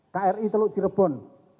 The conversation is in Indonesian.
kri teluk cirebon lima ratus empat puluh tiga